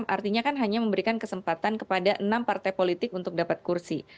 artinya kan hanya memberikan kesempatan kepada enam partai politik untuk dapat kursi